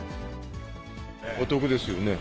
お得ですよね。